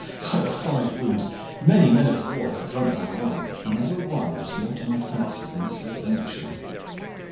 Ha! by the five wounds, many men of war have drunk my wine, but never one was more to my fancy than this little Englishman."